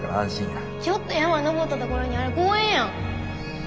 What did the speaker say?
ちょっと山登った所にある公園やん。